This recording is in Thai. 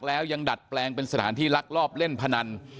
แล้วยังดัดแปลงเป็นสถานที่ลักลอบเล่นพนัน